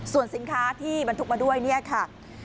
ส่วนสินค้าที่มันถูกมาด้วยค่ะ